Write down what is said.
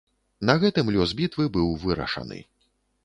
На гэтым лёс бітвы быў вырашаны.